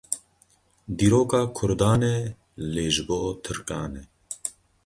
Dîroka kurdan e lê ji bo tirkan e.